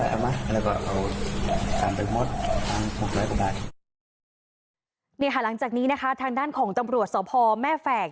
นี่ค่ะหลังจากนี้นะคะทางด้านของตำรวจสพแม่แฝก